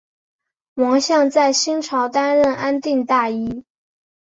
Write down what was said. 王向在新朝担任安定大尹。